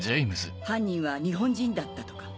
犯人は日本人だったとか。